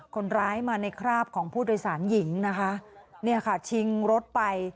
คนร้ายมาในคราบของผู้โดยสารหญิงนะคะเนี่ยค่ะชิงรถไป